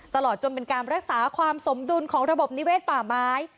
ตลอดจนเป็นการรักษาความสมดุลของระบบนิเวศป่าไม้